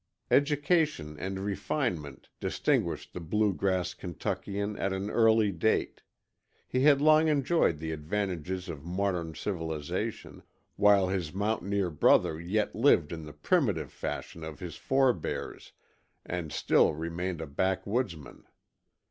Education and refinement distinguished the Blue Grass Kentuckian at an early date; he had long enjoyed the advantages of modern civilization, while his mountaineer brother yet lived in the primitive fashion of his forebears, and still remained a backwoodsman.